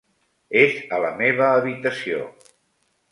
És a la meva habitació.